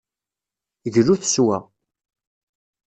Glut s wa.